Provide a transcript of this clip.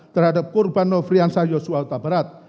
terhadap korban nofrian sayoswata berat